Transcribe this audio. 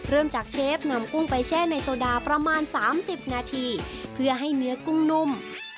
เริ่มจากเชฟนำกุ้งไปแช่ในโซดาประมาณ๓๐นาทีเพื่อให้เนื้อกุ้งนุ่ม